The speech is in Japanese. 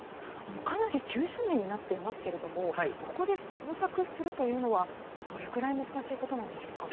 かなり急斜面になっていますけれどここで捜索するというのはどれくらい難しいことでしょう。